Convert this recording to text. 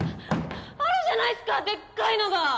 あるじゃないっすかでっかいのが！